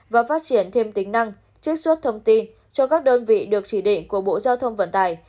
và phát triển thêm tính năng trích xuất thông tin cho các đơn vị được chỉ định của bộ giao thông vận tải